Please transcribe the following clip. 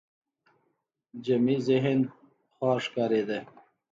جمعي ذهن خوار ښکارېده